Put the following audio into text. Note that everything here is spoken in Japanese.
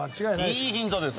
いいヒントです